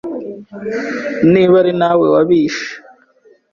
Niba ari nawe wabishe